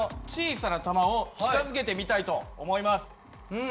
うん。